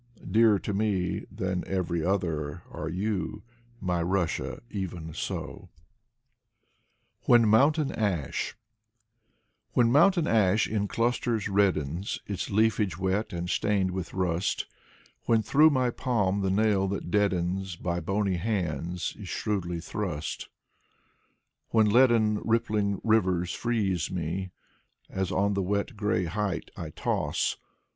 Dearer to me than every other Arc you, my Russia, even so. Alexander Blok 133 " WHEN MOUNTAIN ASH " When mountain ash in clusters reddens, Its leafage wet and stained with rust, When through my palm the nail that deadens By bony hands is shrewdly thrust. When leaden rippHng rivers freeze me, As on the wet gray height I toss.